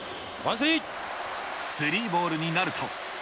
スリーボールになると。